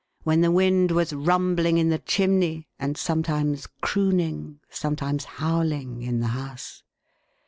When the wind was rumbling in the chimney, and sometimes crooning, sometimes howling, in the house.